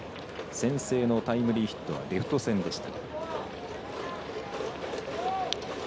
先制のタイムリーヒットはレフト線でした。